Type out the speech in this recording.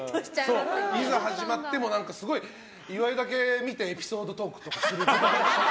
いざ始まっても、岩井だけ見てエピソードトークとかする。